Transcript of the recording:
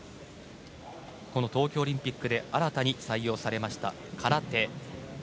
この東京オリンピックで新たに採用されました、空手。